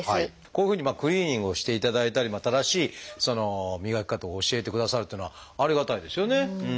こういうふうにクリーニングをしていただいたり正しい磨き方を教えてくださるというのはありがたいですよね。